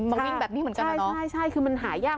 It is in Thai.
มังวิ่งแบบนี้เหมือนกันนะใช่คือมันหายาก